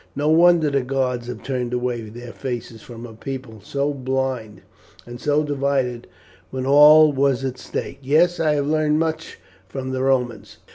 No wonder the gods have turned away their faces from a people so blind and so divided when all was at stake. Yes, I have learned much from the Romans.